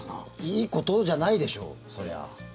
いいことじゃないでしょう。